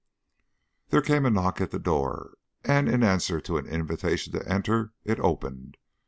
There came a knock at the door, and in answer to an invitation to enter it opened.